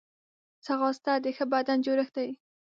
ځغاسته د ښه بدن جوړښت دی